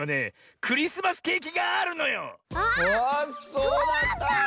そうだった。